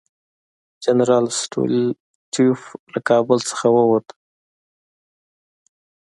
جنرال سټولیټوف له کابل څخه ووت.